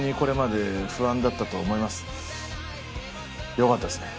よかったですね。